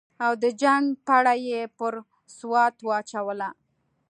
او د جنګ پړه یې پر سوات واچوله.